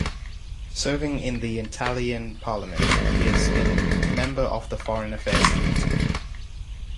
Serving in the Italian Parliament, he has been member of the Foreign Affairs Committee.